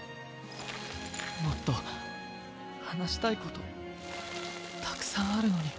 もっと話したいことたくさんあるのに。